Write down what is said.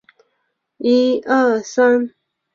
曼绒县的学校主要由曼绒县教育局管辖。